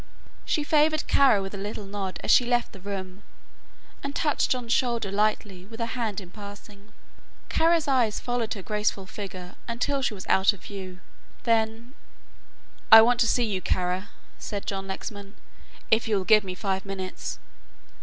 She favoured Kara with a little nod as she left the room and touched John's shoulder lightly with her hand in passing. Kara's eyes followed her graceful figure until she was out of view, then: "I want to see you, Kara," said John Lexman, "if you will give me five minutes."